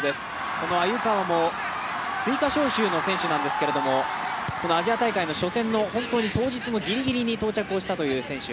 この鮎川も追加招集の選手なんですけれども、アジア大会の初戦の当日ギリギリに到着をしたという選手。